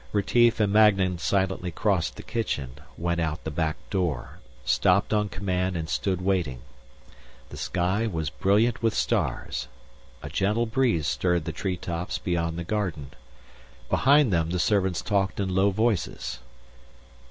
Retief and Magnan silently crossed the kitchen, went out the back door, stopped on command and stood waiting. The sky was brilliant with stars. A gentle breeze stirred the tree tops beyond the garden. Behind them the servants talked in low voices.